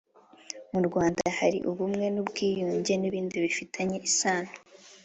Mu Rwanda hari ubumwe n’ubwiyunge n’ibindi bifitanye isano